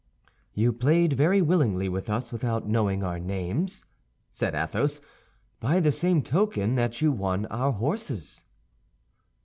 "You played very willingly with us without knowing our names," said Athos, "by the same token that you won our horses."